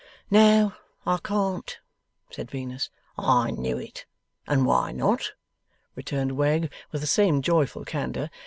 'No, I can't,' said Venus. 'I knew it! And why not?' returned Wegg, with the same joyful candour.